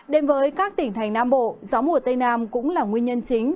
đến với các tỉnh thành nam bộ gió mùa tây nam cũng là nguyên nhân chính